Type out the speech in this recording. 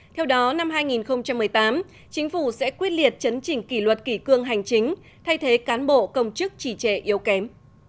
theo đó năm hai nghìn một mươi tám chính phủ sẽ quyết liệt chấn chỉnh kỷ luật kỷ cương hành chính thay thế cán bộ công chức chỉ trệ yếu kém